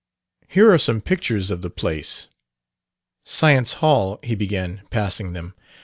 "Here are some pictures of the place. Science Hall," he began, passing them.